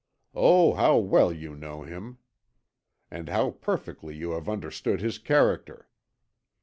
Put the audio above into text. Oh, how well you know him, and how perfectly you have understood his character.'